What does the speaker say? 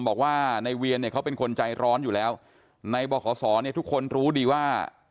บอกว่านายเวียนเขาเป็นคนใจร้อนอยู่แล้วในบรขสอนทุกคนรู้ดีว่า